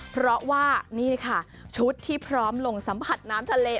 เพราะว่านี่ค่ะชุดที่พร้อมลงสัมผัสน้ำทะเล